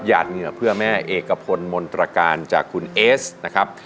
ดเหงื่อเพื่อแม่เอกพลมนตรการจากคุณเอสนะครับ